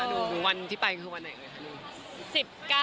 ดูวันที่ไปคือวันไหนคะลูก